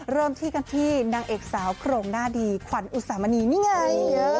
เริ่มที่กันที่นางเอกสาวโครงหน้าดีขวัญอุสามณีนี่ไง